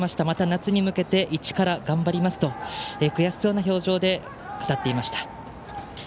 また夏に向けて一から頑張りますと悔しそうな表情で語っていました。